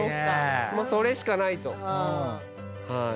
もうそれしかないと。